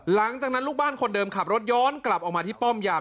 หลังจากนั้นลูกบ้านคนเดิมขับรถย้อนกลับออกมาที่ป้อมยาม